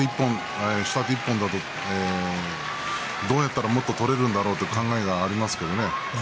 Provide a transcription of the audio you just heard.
下手１本だったらどう取れるんだろうという考えがありますけどね。